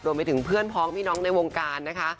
ไปถึงเพื่อนพ้องพี่น้องในวงการนะคะ